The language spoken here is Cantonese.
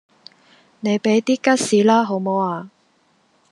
你俾啲吉士啦好無呀